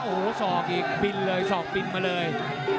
โอ้โหส่องอีกช่องบิลล่งมาเลย